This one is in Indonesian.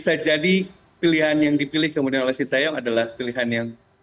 saya rasa bisa jadi pilihan yang dipilih kemudian oleh si taeyong adalah pilihan yang lebih baik